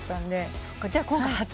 じゃあ今回初？